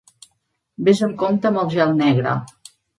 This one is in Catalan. Ves amb compte amb el gel negre!